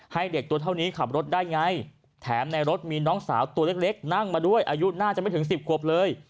ให้เด็กตัวเท่านี้ขับรถได้ไงแถมในรถมีน้องสาวตัวเล็กนั่งมาด้วยอายุน่าจะไม่ถึง๑๐ขวบเลย